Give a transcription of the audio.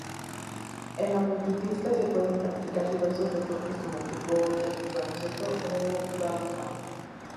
En la multipista se pueden practicar diversos deportes como fútbol, tenis, baloncesto o balonmano.